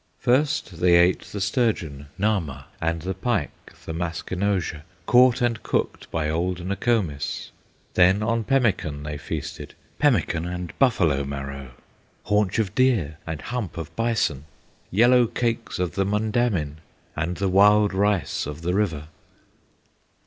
First they ate the sturgeon, Nahma, And the pike, the Maskenozha, Caught and cooked by old Nokomis; Then on pemican they feasted, Pemican and buffalo marrow, Haunch of deer and hump of bison, Yellow cakes of the Mondamin, And the wild rice of the river.